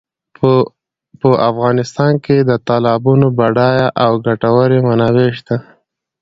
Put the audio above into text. په افغانستان کې د تالابونو بډایه او ګټورې منابع شته.